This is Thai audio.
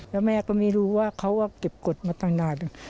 แล้วแม่ก็ไม่รู้ว่าเขาว่าเก็บกฎมาตอนนั้น